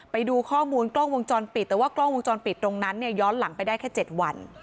ไปดูข้อมูลกล้องวงจรปิดแต่ว่ากล้องวงจรปิดตรงนั้นเนี่ยย้อนหลังไปได้แค่๗วัน